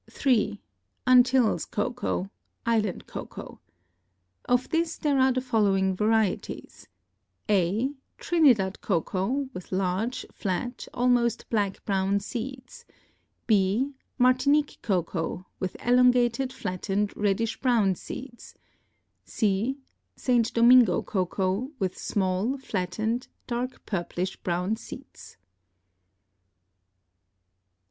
3. Antilles Cocoa (Island Cocoa).—Of this there are the following varieties: a, Trinidad cocoa, with large, flat, almost black brown seeds; b, Martinique cocoa, with elongated, flattened, reddish brown seeds; c, St. Domingo cocoa, with small, flattened, dark purplish brown seeds.